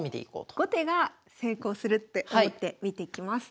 おっ後手が成功するって思って見ていきます。